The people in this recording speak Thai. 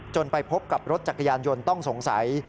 ไปพบกับรถจักรยานยนต์ต้องสงสัย